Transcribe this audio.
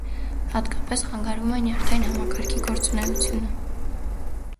Հատկապես խանգարվում է նյարդային համակարգի գործունեությունը։